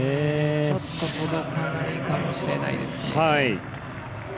ちょっと届かないかもしれないですね。